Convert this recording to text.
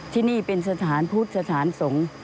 ที่นี่เป็นสถานพุทธสถานสงฆ์